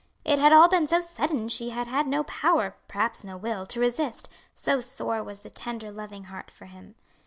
It had all been so sudden she had had no power, perhaps no will, to resist, so sore was the tender, loving heart for him.